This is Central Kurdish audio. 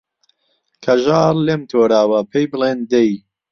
کەژاڵ لێم تۆراوە پێی بڵێن دەی